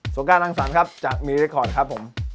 โซก้านังสรรค์ครับจากมีรีดลิคอร์ดครับผม